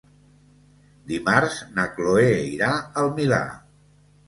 Dimarts na Chloé irà al Milà.